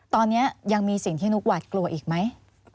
ตอนนี้ยังมีสิ่งที่นุ๊กหวาดกลัวอีกไหม